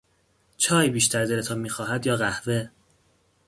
چای بیشتر دلتان میخواهد یا قهوه؟